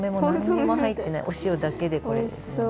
お塩だけでこれですもんね。